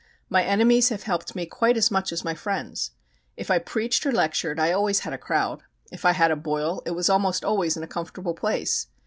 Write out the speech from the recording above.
My enemies have helped me quite as much as my friends. If I preached or lectured I always had a crowd. If I had a boil it was almost always in a comfortable place.